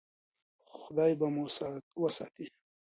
خدای به مو وساتي.